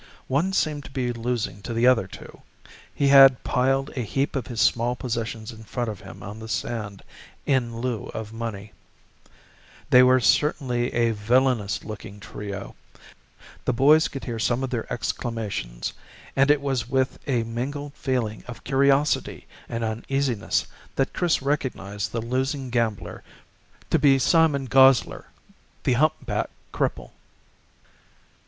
One seemed to be losing to the other two. He had piled a heap of his small possessions in front of him on the sand, in lieu of money. They were certainly a villainous looking trio. The boys could hear some of their exclamations, and it was with a mingled feeling of curiosity and uneasiness that Chris recognized the losing gambler to be Simon Gosler, the humpbacked cripple.